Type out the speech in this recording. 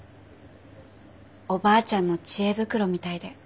おばあちゃんの知恵袋みたいで。